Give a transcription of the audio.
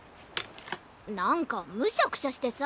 なんかむしゃくしゃしてさ。